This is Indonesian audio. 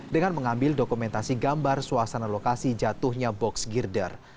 dengan mengambil dokumentasi gambar suasana lokasi jatuhnya box girder